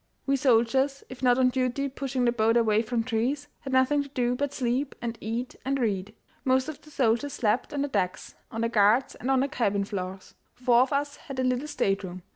We soldiers, if not on duty pushing the boat away from trees, had nothing to do but sleep and eat and read. Most of the soldiers slept on the decks, on the guards, and on the cabin floors. Four of us had a little stateroom.